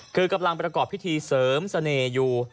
คือกำลังประกอบพิธีเสริมเสน่ห์อยู่